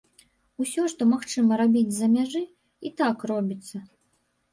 Усё, што магчыма рабіць з-за мяжы, і так робіцца.